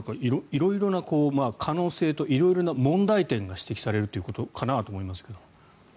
色々な可能性と色々な問題点が指摘されるということかなと思いますが。